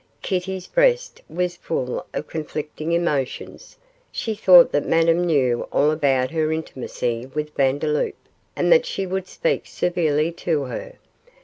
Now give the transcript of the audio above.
Kitty's breast was full of conflicting emotions; she thought that Madame knew all about her intimacy with Vandeloup, and that she would speak severely to her.